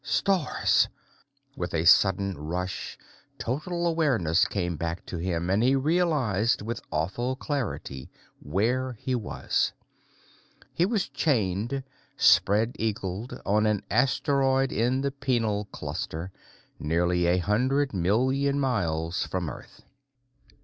STARS!_ With a sudden rush, total awareness came back to him, and he realized with awful clarity where he was. He was chained, spread eagled, on an asteroid in the Penal Cluster, nearly a hundred million miles from Earth.